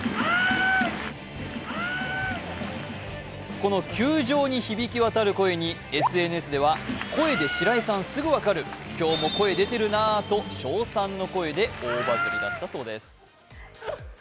この球場に響き渡る声にＳＮＳでは声で白井さんすぐ分かる、今日も声、出てるなと称賛の声で大バズリだったそうです。